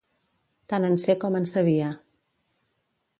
Tant en sé com en sabia.